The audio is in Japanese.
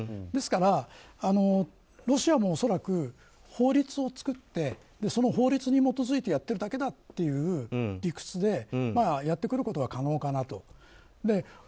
ですから、ロシアも恐らく法律を作ってその法律に基づいてやっているだけだという理屈でやってくることは可能かなと。